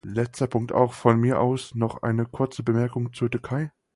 Letzter Punkt, auch von mir aus noch eine kurze Bemerkung zur Türkei.